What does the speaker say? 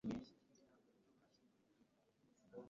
izina rikomeye ry'imana ni yehova